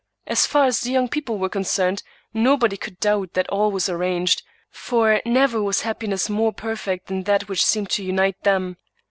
As far as the young people were concerned, nobody could doubt that all was arranged ; for never was happiness more perfect than that which seemed to unite them.